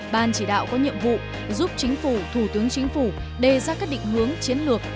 ban chỉ đạo có nhiệm vụ giúp chính phủ thủ tướng chính phủ đề ra các định hướng chiến lược